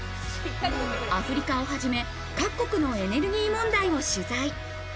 アフリカをはじめ各国のエネルギー問題を取材。